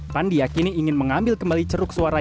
pan diakini ingin mengambil kembali ceruk suara